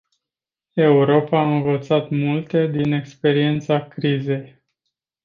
Europa a învățat multe din experiența crizei.